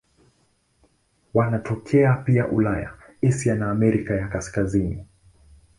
Wanatokea pia Ulaya, Asia na Amerika ya Kaskazini.